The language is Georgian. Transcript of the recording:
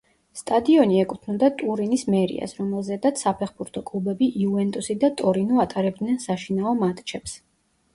სტადიონი ეკუთვნოდა ტურინის მერიას, რომელზედაც საფეხბურთო კლუბები იუვენტუსი და ტორინო ატარებდნენ საშინაო მატჩებს.